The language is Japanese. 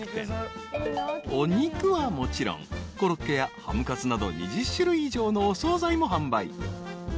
［お肉はもちろんコロッケやハムカツなど２０種類以上のお総菜も販売］